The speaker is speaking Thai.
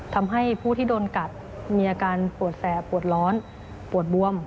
ทำให้ผู้ที่โดนกัดมีอาการปวดแสบปวดร้อนปวดบวม